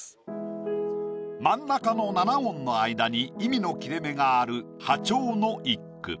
真ん中の七音の間に意味の切れ目がある破調の一句。